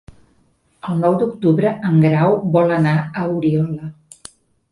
El nou d'octubre en Grau vol anar a Oriola.